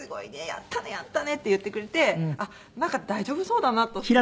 「やったねやったね」って言ってくれてあっなんか大丈夫そうだなとすごい。